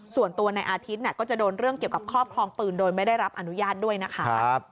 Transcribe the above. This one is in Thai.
ส่วนตัวในอาทิตย์ก็จะโดนเรื่องเกี่ยวกับครอบครองปืนโดยไม่ได้รับอนุญาตด้วยนะคะ